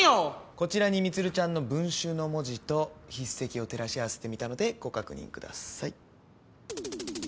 こちらに充ちゃんの文集の文字と筆跡を照らし合わせてみたのでご確認ください。